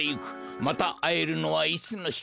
またあえるのはいつのひか。